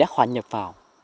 khoan nhập vào